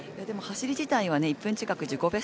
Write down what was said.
でも、走り自体は１分近く自己